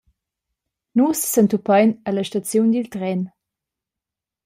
Nus s’entupein alla staziun dil tren.